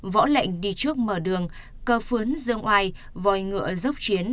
võ lệnh đi trước mở đường cơ phướn dương oai vòi ngựa dốc chiến